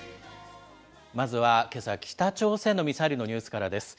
まずはけさ、北朝鮮のミサイルのニュースからです。